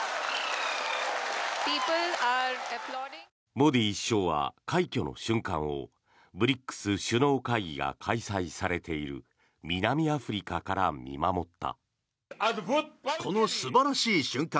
モディ首相は快挙の瞬間をＢＲＩＣＳ首脳会議が開催されている南アフリカから見守った。